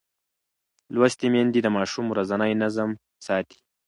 لوستې میندې د ماشوم ورځنی نظم ساتي.